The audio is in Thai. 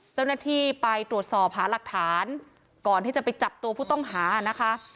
เจ้าหน้าที่ไปตรวจสอบหาหลักฐานก่อนที่จะไปจับตัวผู้ต้องหานะคะ